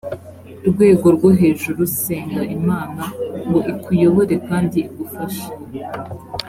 rwego rwo hejuru senga imana ngo ikuyobore kandi igufashe